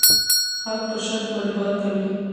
خلک په شرط والیبال کوي.